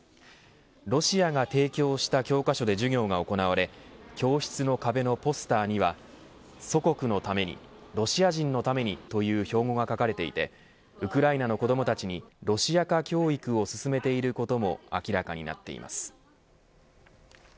ロシアが提供した教科書で授業が行われ教室の壁のポスターには祖国のためにロシア人のためにという標語が書かれていてウクライナの子どもたちにロシア化教育を進めていることも明らかになっています。